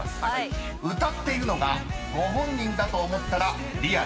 ［歌っているのがご本人だと思ったらリアルを］